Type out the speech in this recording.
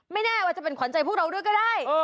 แน่ว่าจะเป็นขวัญใจพวกเราด้วยก็ได้